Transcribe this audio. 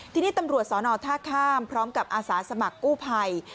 ทีนี้ตำรวจสอนอท่าข้ามพร้อมกับอาสาสมัครกู้ภัย